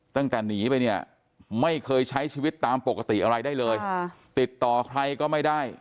ตั้งแต่หนีไปเนี่ยไม่เคยใช้ชีวิตตามปกติอะไรได้เลยติดต่อใครก็ไม่ได้